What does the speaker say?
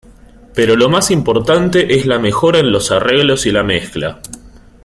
Pero lo más importante es la mejora en los arreglos y la mezcla.